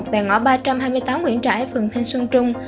tại ngõ ba trăm hai mươi tám nguyễn trãi phường thanh xuân trung